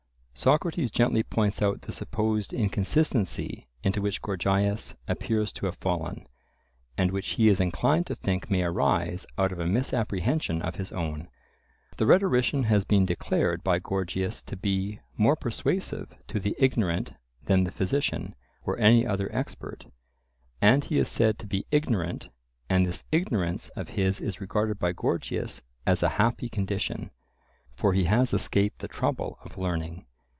Socrates gently points out the supposed inconsistency into which Gorgias appears to have fallen, and which he is inclined to think may arise out of a misapprehension of his own. The rhetorician has been declared by Gorgias to be more persuasive to the ignorant than the physician, or any other expert. And he is said to be ignorant, and this ignorance of his is regarded by Gorgias as a happy condition, for he has escaped the trouble of learning.